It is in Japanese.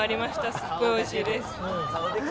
すごいおいしいです。